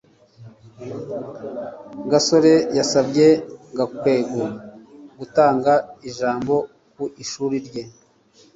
gasore yasabye gakwego gutanga ijambo ku ishuri rye